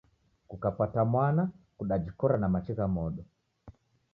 Kukapata mwana kudajikora na machi gha modo